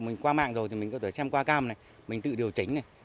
mình qua mạng rồi thì mình có thể xem qua cam này mình tự điều chỉnh này